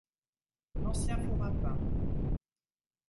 L'ancien four à pain.